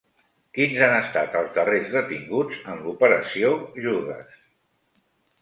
Quins han estat els darrers detinguts en l'Operació Judes?